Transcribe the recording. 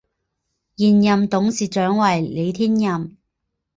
现任董事长为李天任。